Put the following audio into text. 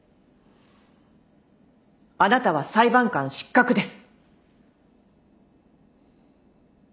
あなたは裁判官失格です。